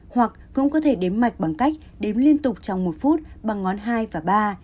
hoặc cũng có thể đếm mạch bằng cách đếm liên tục trong một phút bằng ngón hai và ba